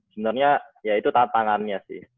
sebenernya ya itu tantangannya sih